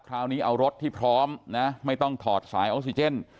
คราวนี้เอารถที่พร้อมนะไม่ต้องถอดสายออกซิเจน